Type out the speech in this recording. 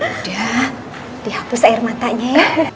udah dihapus air matanya ya